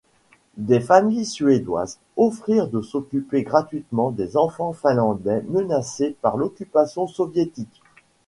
Des familles suédoises offrirent de s'occuper gratuitement des enfants finlandais menacés par l'occupation soviétique.